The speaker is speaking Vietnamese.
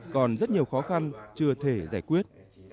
còn rất nhiều khó khăn chưa thể giải quyết